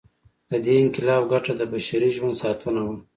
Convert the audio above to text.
د دې انقلاب ګټه د بشري ژوند ساتنه وه.